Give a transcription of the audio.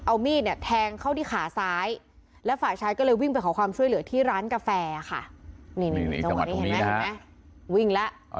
เอามีดเนี่ยแทงเข้าที่ขาซ้ายแล้วฝ่ายชายก็เลยวิ่งไปขอความช่วยเหลือที่ร้านกาแฟค่ะ